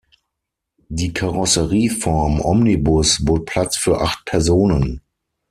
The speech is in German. Die Karosserieform Omnibus bot Platz für acht Personen.